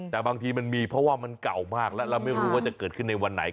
แต่บางทีมันมีเพราะว่ามันเก่ามากแล้วเราไม่รู้ว่าจะเกิดขึ้นในวันไหน